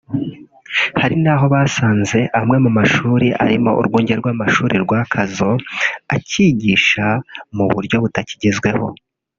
Hari n’aho basanze amwe mu mashuri arimo Urwunge rw’Amashuri rwa Kazo acyigisha mu buryo butakigezweho